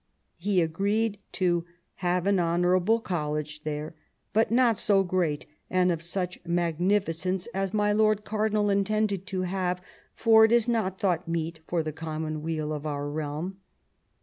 He agreed to "have an honourable college there, but not so great and of such magnificence as my lord cardinal intended to have, for it is not thought meet for the common weal of our realm."